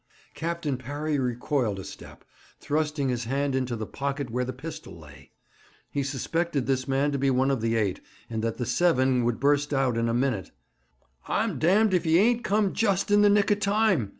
Captain Parry recoiled a step, thrusting his hand into the pocket where the pistol lay. He suspected this man to be one of the eight, and that the seven would burst out in a minute. 'I'm damned if ye ain't come just in the nick of time!'